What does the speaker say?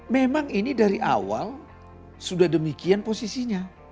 memang ini dari awal sudah demikian posisinya